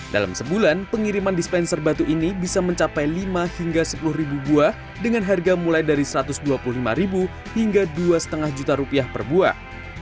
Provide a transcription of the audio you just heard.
dalam sebulan pengiriman dispenser batu ini bisa mencapai lima hingga sepuluh buah dengan harga mulai dari satu ratus dua puluh lima hingga dua lima juta rupiah per buah